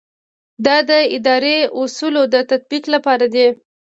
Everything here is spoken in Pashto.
دا د اداري اصولو د تطبیق لپاره دی.